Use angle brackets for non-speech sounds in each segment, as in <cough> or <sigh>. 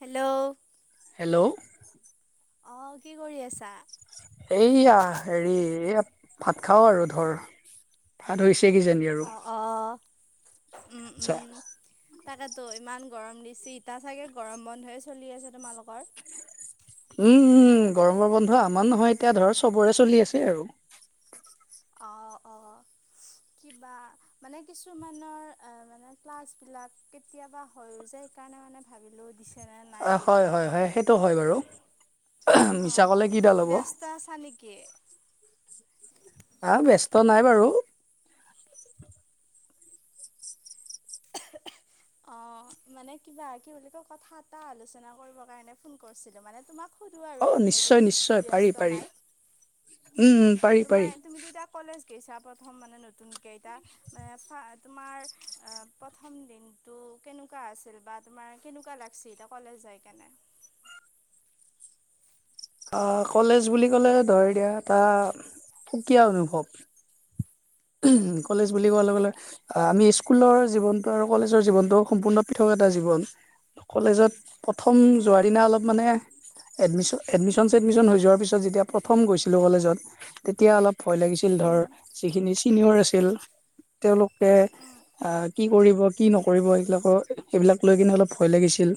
Hello hello অ কি কৰি আছা? এইয়া হেৰি এইয়া ভাত খাও আৰু ধৰ, ভাত হৈছে কিজানি। আৰু অ অ উম আচ্ছা উম। তাকে ত ইমান গৰম দিচি ইটা চাগে গৰম বন্ধয়ে চলি আছে তোমালকৰ? উম উম গৰমৰ বন্ধ আমাৰ নহয় এতিয়া ধৰ চবৰে চলি আছে আৰু। অ অ কিবা। মানে কিছুমানৰ এ মানে ক্লাছ বিলাক কেতিয়াবা হয়ও যায় সেইকাৰণে মানে ভাবিলেও দিছ- অ হয় হয় হয় সেইটো হয় বাৰু মিছা ক'লে কিডাল হ'ব। তা ছা নেকি। হা ব্যস্ত নাই বাৰু। <unintelligible> অ মানে কিবা কি বুলি কয় কথা এটা আলোচনা কৰিবৰ কাৰণে ফোন কৰছিলো মানে তোমাক। শুধো অ আৰু এনেই নিশ্চয় যদি নিশ্চয় পাৰি ব্যস্ত পাৰি নাই। উম -উম, পাৰি পাৰি তোমাৰ তুমিতো এতিয়া কলেজ গৈছা প্ৰথম মানে নতুনকে এইটা। মানে ফা তোমাৰ আ প্ৰথম দিনটো কেনেকুৱা আছিল বা? তোমাৰ কেনেকুৱা লাগছি এতিয়া কলেজ যায় কেনে। অ' কলেজ বুলি ক'লে ধৰ দিয়া এটা সুকীয়া অনুভৱ। কলেজ উম বুলি কোৱাৰ লগে -লগে আমি স্কুলৰ জীৱনটো আৰু কলেজৰ জীৱনটো সম্পূৰ্ণ পৃথক এটা জীৱন, কলেজত প্ৰথম যোৱাৰ দিনা অলপ মানে। এডমিশন- এডমিশন ছেডমিশন হৈ যোৱাৰ পিছত যেতিয়া প্ৰথম গৈছিলোঁ কলেজত তেতিয়া অলপ ভয় লাগিছিল ধৰ, উম যিখিনি চিনিয়ৰ আছিল। তেওঁলোকে আ কি কৰিব কি নকৰিব এইবিলাকৰ সেইবিলাক লৈ কিনে অলপ ভয় লাগিছিল।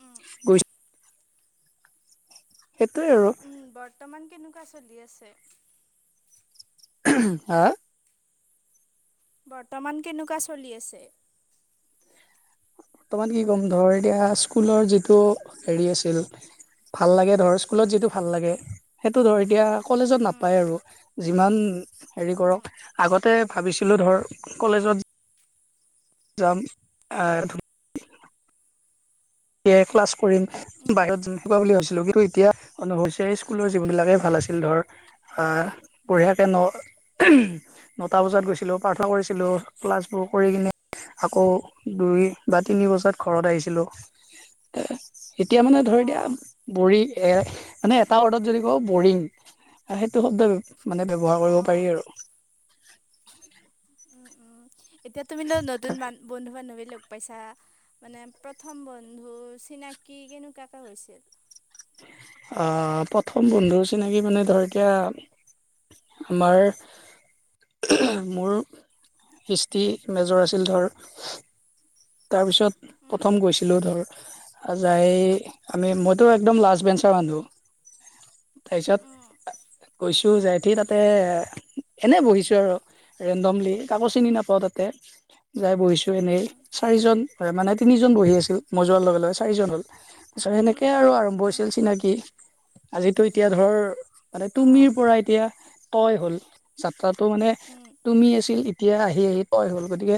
উম। গৈছিল সেইটোৱে আৰু। উম, বৰ্তমান কেনেকুৱা চলি আছে। আ বৰ্তমান কেনেকুৱা চলি আছে। বৰ্তমান কি ক'ম ধৰ এতিয়া স্কুলৰ যিটো হেৰি আছিল। ভাল লাগে ধৰ স্কুলত যিটো ভাল লাগে সেইটো ধৰ এতিয়া কলেজত উম নাপায় আৰু। যিমান হেৰি উম কৰক আগতে ভাবিছিলোঁ ধৰ কলেজত। যাম আৰ এ ক্লাছ কৰিম। উম বাহিৰত জুন হুপা বুলি ভাবছিলো, কিন্তু এতিয়া অনুভৱ হৈছে এই স্কুলৰ জীৱন বিলাকে ভাল আছিল ধৰ। হা বহিয়াকে ন' নটা বজাত গৈছিলোঁ প্ৰাৰ্থনা কৰিছিলোঁ ক্লাছবোৰ কৰি কিনে। আকৌ দুই বা তিনি বজাত ঘৰত আহিছিলো। এতিয়া মানে ধৰ এতিয়া। অঁ বৰি এ মানে এটা ৱৰ্ডত যদি কওঁ বৰিং সেইটো শব্দ মানে- ব্যৱহাৰ কৰিব পাৰি অঁ আৰু। উম উম এতিয়া তুমি নো নতুন মান বন্ধু বান্ধৱী লগ পাইচা মানে প্ৰথম বন্ধু চিনাকি কেনেকুৱা এটা হৈছে। অ 'প্ৰথম বন্ধু চিনাকি মানে ধৰ এতিয়া আমাৰ মোৰ হিষ্টি মেজৰ আছিল ধৰ। তাৰপিছত উম প্ৰথম গৈছিলোঁ ধৰ- আ যাই আমি মইতো একদম লাজ বেঞ্চৰ মানুহ। উম তাৰপিছত কৈছো যাই উঠি আৰু তাতে এনে বহিছো আৰু। ৰেণ্ডমলি কাকো চিনি উম নাপাওঁ তাতে যাই বহিছোঁ এনেই। উম চাৰিজন মানে তিনিজন বহি আছিল মই যোৱাৰ লগে লগে চাৰিজন হ'ল। তাৰপিছত সেনেকে আৰু আৰম্ভ হৈছিল অঁ চিনাকি আজিতো এতিয়া ধৰ- মানে তুমিৰ পৰা এতিয়া তয় হ'ল যাত্ৰাটো মানে তুমি আছিল। এতিয়া আহি -আহি তয় হ'ল গতিকে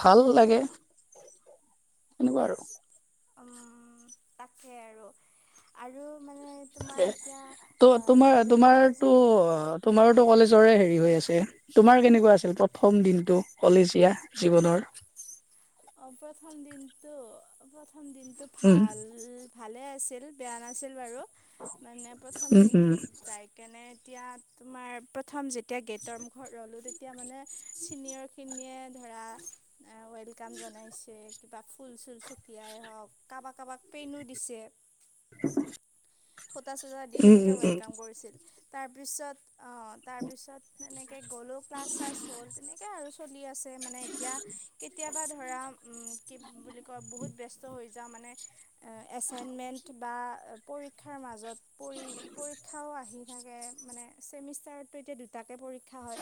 ভাল- লাগে সেনেকুৱা আৰু- উম তাকে আৰু- আৰু মানে তোমাৰ ত এতিয়া তোমাৰ যিটো তোমাৰতো কলেজৰ- তোমাৰোতো কলেজৰে হেৰি হৈ আছে। তোমাৰ কেনেকুৱা আছিল প্ৰথম দিনটো কলেজীয়া জীৱনৰ! অ' প্ৰথম দিনটো প্ৰথম দিনটো উম ভাল- ভালে আছিল বেয়া নাছিল বাৰু মানে প্ৰথম উম উম দিনটোত তাইক- কেনে এতিয়া তোমাৰ প্ৰথম যেতিয়া গেটৰ মুখত ৰ'লোঁ তেতিয়া মানে- চিনিয়ৰ খিনিয়ে ধৰা ৱেল কাম জনাইছে কিবা ফুল চুল ছটিয়াই হওক কাবাক - কাবাক পেইনো দিছে। <inaudible> ফুটা চুটা দি উম তেনেকে উম ৱেলকাম কৰিছিল। তাৰপিছত অ তাৰ পিছত তেনেকে গ'লোও ক্লাছ চাছ হ'ল তেনেকে আৰু চলি আছে। মানে এতিয়া কেতিয়াবা ধৰা উম, বুলি ক বহুত ব্যস্ত হৈ যাওঁ মানে এছাইনমেণ্ট বা প ৰীক্ষা মাজত পৰীক্ষাও আহি থাকে মানে ছেমিষ্টাৰতটো এতিয়া দুটাকে পৰ ক্ষা হয়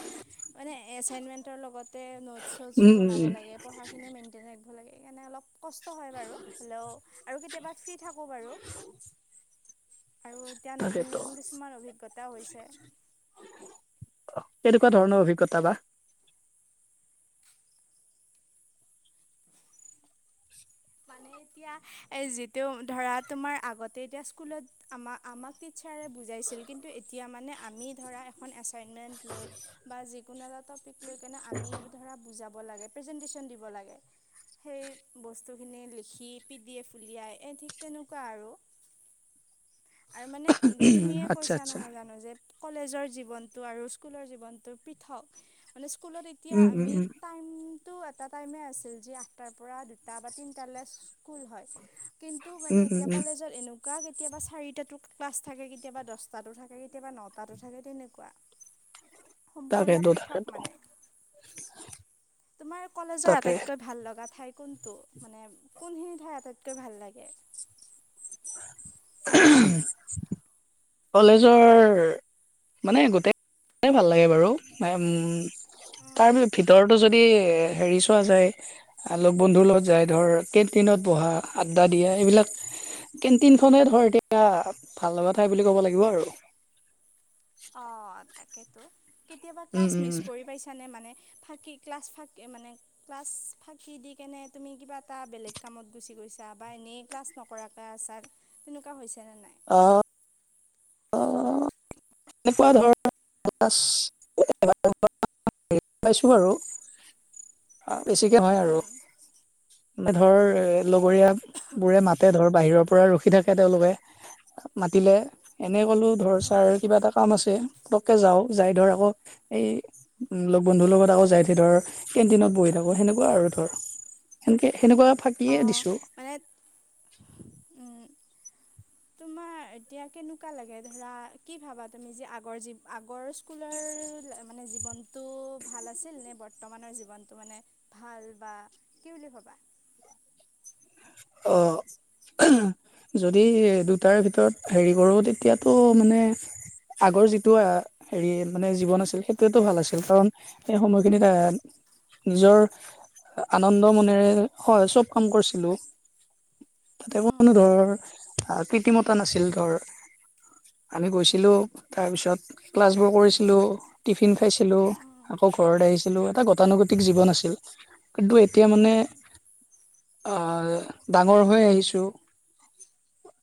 মানে এছাইনমেণ্টৰ লগতে নোটছ চ'টছো উম উম উম বনাব উম লাগে। পঢ়াখিনিও মেইনটেইন ৰাখিব লাগে, সেইকাৰণে অলপ কষ্ট হয় বাৰু হ'লেও আৰু কেতিয়াবা ফি থাকো বাৰু। আৰু এতিয়া নতুন - তাকেতো নতুন কিছুমান অভিজ্ঞতা হৈছে। অ, কেনেকুৱা ধৰণৰ অভিজ্ঞতা বা। মানে এতিয়া এই যিটো ধৰা তোমাৰ আগতে এতিয়া স্কুলত আমা আমাক টিছাৰে বুজাইছিল কিন্তু এতিয়া মানে আমি ধৰা এখন এছাইনমেণ্ট লৈ বা যিকোনো এটা টপিক লৈ কেনে আমি ধৰা বুজাব লাগে, প্ৰেজেণ্টেছন দিব লাগে, সেই ‌বস্ত নে লিখি পি ডি এফ উলিয়াই এই ঠিক তেনেকুৱা আৰু। আৰু মানে তুমিয়ে আচ্ছা কৈছা আচ্ছা নহয় জানো যে কলেজৰ জীৱনতটো আৰু স্কুলৰ জীৱনতটো পৃথক মানে স্কুলত এতিয়া উম উম আমি উম টাইমটো এটা টাইমে আছিল যে আঠটা পৰা দুটা বা তিনিটালৈ স্কুল হয়। কিন্তু উম মানে উম এতিয়া উম কলেজৰ এনো কুৱা কেতিয়াবা চাৰিটা ক্লাছ থাকে কেতিয়াবা দহটাতো থাকে কেতিয়াবা নটাতো থাকে তেনেকুৱা। সম্পূৰ্ণ তাকেতো পৃথক তাকেতো মানে। <inaudible> তোমাৰ কলেজৰ তাকে আটাইতকৈ ভাল লগা ঠাই কোনটো মানে কোনখিনি ঠাই আটাইতকৈ ভাল লাগে। কলেজৰ মানে গোটেই ভাল লাগে বাৰু তাৰিছ ভিতৰত যদি হেৰি চোৱা যায়। লগ বন্ধুৰ লগত যাই ধৰ কেন্টিনত বহা আড্ডা দিয়া এইবিলাক কেণ্টিন খনে ধৰ এতিয়া ভাল লগা ঠাই বুলি ক'ব লাগিব আৰু। অ, তাকেতো কেতিয়াবা উম ক্লাছ উম মিচ কৰি পাইছ মানে মানে ফাঁকি ক্লাছ ফাঁকি মানে ক্লাছ ফাঁকি দি কেনে তুমি কিবা এটা বেলেগ কামত গুচি গৈছা বা এনেই ক্লাছ নকৰাকৈ আছা। তেনেকুৱা হৈছে নে নাই। অ', এনেকুৱা ধৰণৰ <unintelligible> হেৰি পাইছোঁ আৰু বেছিকৈ হয় আৰু। উম মানে ধৰ এ লগৰীয়া বোৰে মাতে ধৰ বাহিৰৰ পৰা ৰখি থাকে তেওঁলোকে মাতিলে এনে ক'লো ধৰ উম ছাৰ কিবা এটা কাম আছে লগকে যাওঁ যাই ধৰ আকৌ এই লগ বন্ধুৰ লগত আকৌ যাই কিনে ধৰ কেণ্টিনত বহি থাকো সেনেকুৱা আৰু ধৰ সেনেকে - সেনেকোৱাকে অ, মানে উম, তোমাৰ এতিয়া কেনেকুৱা লাগে ধৰা কি ভাবা তুমি যে আগৰ যি আগৰ স্কুলৰ মানে জীৱনটো ভাল আছিল নে বৰ্তমানৰ জীৱনটো মানে ভাল বা কি বুলি ভবা? অ', যদি দুটাৰ ভিতৰত হেৰি কৰো তেতিয়াতো মানে আগৰ যিটো হেৰি মানে জীৱন আছিল সেইটোয়টো ভাল আছিল কাৰণ সেই সময়খিনিত নিজৰ আনন্দ মনেৰে, হয় চব কাম কৰিছিলোঁ। তাতে উম কোনো ধৰ আ কৃতিমতা নাছিল ধৰ। আমি গৈছিলোঁ তাৰপিছত ক্লাছবোৰ কৰিছিলোঁ, টিফিন খাইছিলোঁ উম আকৌ ঘৰত আহিছিলো, এটা গতানুগতিক জীৱন আছিল কিন্তু এতিয়া মানে উম আহ ডাঙৰ হৈ আহিছো,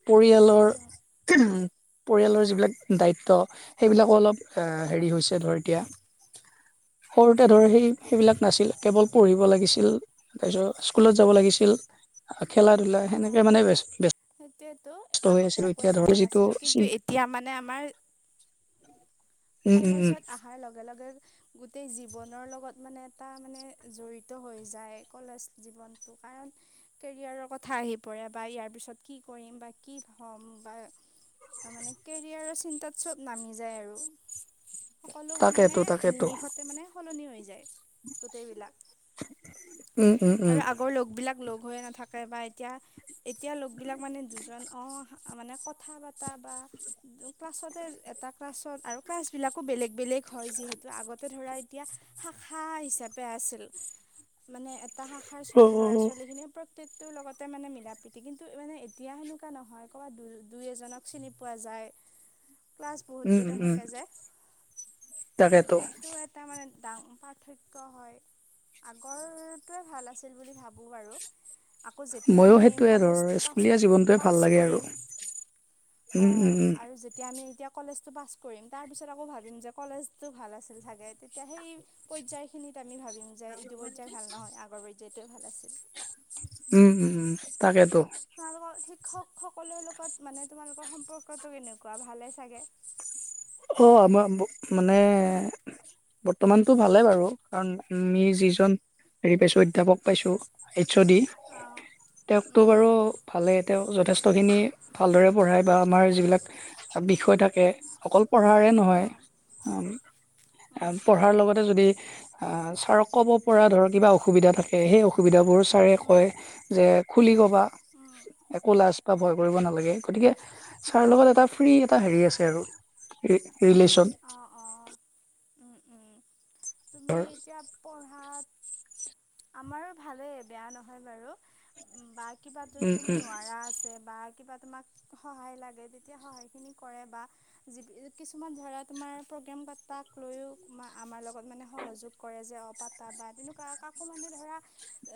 পৰিয়ালৰ উম কিটো? পৰিয়ালৰ যিবিলাক দায়িত্ব সেইবিলাকো অলপ উম হেৰি হৈছে ধৰ এতিয়া সৰুতে ধৰ সেই সেইবিলাক নাছিল কেৱল পঢ়িব লাগিছিল। তাৰপিছত স্কুলত যাব উম লাগিছিল, খেলা - ধলা সেনেকে মানে বেছ বেছ সেইটোয়েতো আগতে একোৱে জানা যিটো নাছিলো কিন্তু চিন্তা এতিয়া মানে আমাৰ <unintelligible> উম উম উম কলেজত আহাৰ লগে লগে গোটেই জীৱনৰ লগত মানে এটা মানে জড়িত হৈ যায়, কলেজ জীৱনটো কাৰণ কেৰিয়াৰৰ কথা আহি পৰে বা ইয়াৰ পিছত কি কৰিম বা কি হ'ম বা তাৰ মানে কেৰিয়াৰৰ চিন্তাত চব নামি যায় আৰু সকলোৰে মানে তাকেতো তাকেতো নিমিষত তে মানে সলনি হৈ যায় গোটেইবিলাক উম উম উম আৰু আগৰ লগবিলাক লগ হৈ নাথাকে বা এতিয়া এতিয়া লোকবিলাক মানে দুজন অ মানে কথা বতা বা ক্লাছতে এটা ক্লাছত আৰু কাচবিলাকো বেলেগ বেলেগ হয় যিহেতু আগতে ধৰা এতিয়া শাখা হিচাপে আছিল মানে এটা শাখাৰ ল'ৰা- ছোৱালীখিনি প্ৰত্যেক তোৰ লগতে মানে মিলা - প্ৰীতি কিন্তু মানে এতিয়া সেনেকুৱা নহয় ক'ৰবাত দু দুই এজনক চিনি পোৱা যায়। ক্লাছ বহুত উম উম কেইটা উম থাকে যায় তাকেতো এইটো তাৰ মানে ডাং পাৰ্থক্য হয়। আগৰটোৱে ভাল আছিল বুলি ভাবোঁ বাৰু। আকৌ যেতিয়া ময়ো আমি সেইটোৱে ধৰ কলেজটো পাছ স্কুলীয়া জীৱনটোৱে ভাল পাছ লাগে আৰু কৰিম অ উম উম উম আৰু যেতিয়া আমি এতিয়া কলেজটো পাছ কৰিম তাৰপিছত আকৌ ভাবিম যে কলেজটো ভাল আছিল চাগে, তেতিয়া সেই পৰ্যায়খিনিত আমি ভাবিম। পৰ্যায় এইটো পৰ্যায় ভাল নহয় আগৰ পৰ্যায়টোৱে ভাল আছিল। উম উম উম তাকেইতো। তোমালোকৰ শিক্ষকসকলৰ লগত মানে তোমালোকৰ সম্পৰ্কটো কেনেকুৱা ভালে চাগে? অঁ আমাৰ মানে বৰ্তমানতো ভালে বাৰু কাৰণ আমি যিজন হেৰি পাইছো অধ্যাপক পাইছো এইচ অ' ডি, অঁ তেওঁকতো উম বাৰু ভালে তেওঁ যথেষ্টখিনি ভালদৰে পঢ়ায় বা আমাৰ যিবিলাক বিষয় থাকে অকল পঢ়াৰে নহয় উম আ আম পঢ়াৰ লগতে যদি আ ছাৰক ক'ব পৰা ধৰক কিবা অসুবিধা থাকে সেই অসুবিধাবোৰ ছাৰে উম কয় যে খুলি ক'বা উম একো লাজ বা ভয় কৰিব নালাগে, গতিকে ছাৰ লগত এটা ফ্ৰী এটা হেৰি আছে আৰু। ৰি ৰিলেশ্যন। অঁ অঁ, উম উম, তুমি ধৰ এতিয়া পঢ়াত আমাৰো ভালেই, বেয়া নহয় বাৰু বা কিবা যদি উম তুমি উম নোৱাৰা আছ কে বা কিবা তোমাক সহায় লাগে যেতিয়া সহায়খিনি কৰে বা কিছুমান ধৰা তোমাৰ প্ৰগ্ৰেম পতাক লৈও আমাৰ লগত মানে সহযোগ কৰে যে অ পাতা বা তেনেকুৱা কাকো মানে ধৰা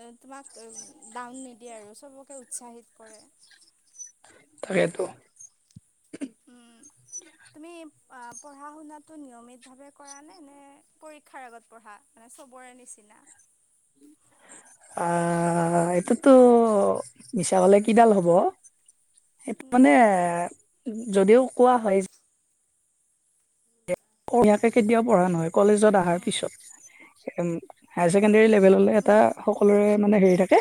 এ তোমাক এ ডাউন নিদিয়ে আৰু চবকে উৎসাহিত কৰে। তাকেটো। উম। তুমি আ পঢ়া শুনাটো নিয়মিতভাৱে কৰা নে নে পৰীক্ষাৰ আগত পঢ়া? মানে চবৰে নিচিনা। আ এইটোতো মিছা কলে কিডাল হ'ব, সেইটো মানে উম যদিও কোৱা হয় নীয়মিয়াকে কেতিয়াও পঢ়া নহয় কলেজত অহাৰ উম পিছত। হায়াৰ ছেকেণ্ডেৰী লেভেললৈ এটা উম সকলোৰে মানে হেৰি থাকে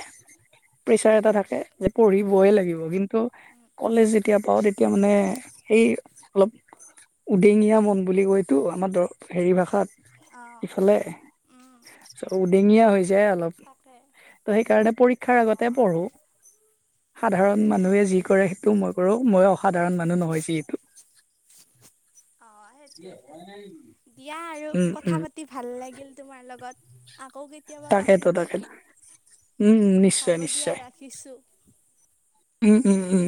প্ৰেচাৰ এটা থাকে। যে উম পঢ়িবইে লাগিব, কিন্তু উম কলেজ তেতিয়া পাওঁ তেতিয়া মানে সেই অলপ উদেঙীয়া মন বুলি কয়তো আমাৰ হেৰি ভাষাত অঁ ইফালে, উম চ উদেঙীয়া হৈ যায় অলপ তাকে ত সেইকাৰণে পৰীক্ষাৰ আগতে পঢ়ো। সাধাৰণ উম মানুহে যি উম কৰে সেইটো মই কৰো মই অসাধাৰণ মানুহ নহয় যিহেতু। অ সেইটোয়েটো দিয়া আৰু উম কথা উম পাতি, ভাল লাগিল তোমাৰ লগত আকৌ কি তাকেটো তাকেটো উম উম নি হ'ব দিয়া ৰাখিছোঁ। উম উম উম।